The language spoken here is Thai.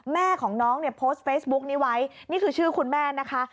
แม่ของน้องเนี่ยโพสต์เฟซบุ๊คนี้ไว้นี่คือชื่อคุณแม่นะคะ